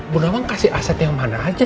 bu nawang kasih aset yang mana aja